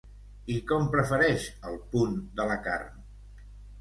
I com prefereix el punt de la carn?